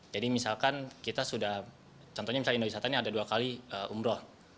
jadi misalkan kita sudah contohnya misalnya indowisata ini ada dua kali umroh